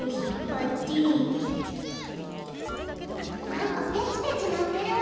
なんかペチペチなってるわ。